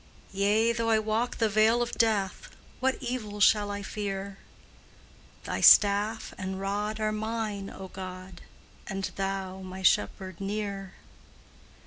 Yea, though I walk the vale of death, What evil shall I fear? Thy staff and rod are mine, O God, And Thou, my Shepherd, near!